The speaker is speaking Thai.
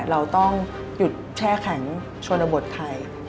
เราต้องหยุดแช่แข็งชนบทไทย